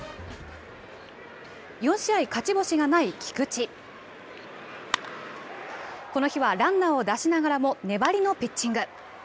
４試合、勝ち星がない菊池この日はランナーを出しながらも粘りのピッチング。